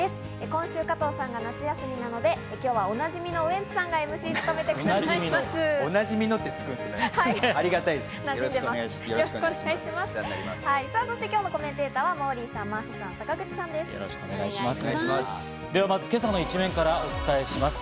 今週、加藤さんが夏休みなので、今日はおなじみのウエンツさんがＭＣを務めてくださいます。